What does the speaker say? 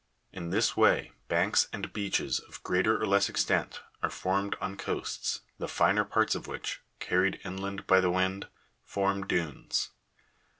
In this way banks and beaches, of greater or less extent, are formed on coasts, the finer parts of which, car ried inland by the wind, form dunes (see page 125).